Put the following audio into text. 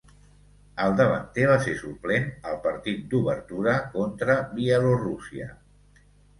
El davanter va ser suplent al partit d'obertura contra Bielorússia.